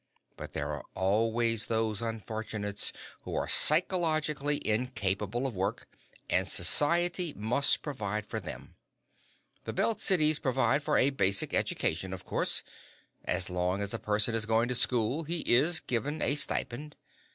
But there are always those unfortunates who are psychologically incapable of work, and society must provide for them. The Belt Cities provide for a basic education, of course. As long as a person is going to school, he is given a stipend.